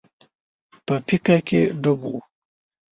په فکر کي ډوب و.